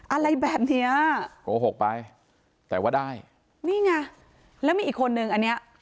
อะไรแบบเนี้ยโกหกไปแต่ว่าได้นี่ไงแล้วมีอีกคนนึงอันเนี้ย